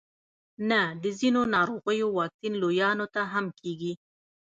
نه د ځینو ناروغیو واکسین لویانو ته هم کیږي